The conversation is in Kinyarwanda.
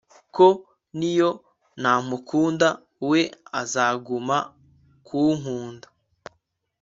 ko niyo ntamukunda we azaguma kunkunda